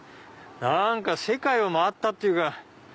何か世界を回ったっていうか。